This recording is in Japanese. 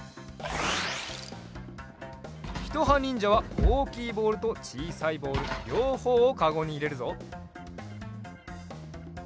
ひとはにんじゃはおおきいボールとちいさいボールりょうほうをかごにいれるぞ。